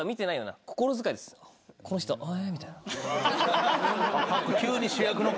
この人へぇみたいな。